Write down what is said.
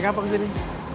nekang kok kesini